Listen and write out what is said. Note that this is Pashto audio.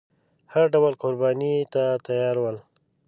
هر ډول قربانۍ ته تیار ول.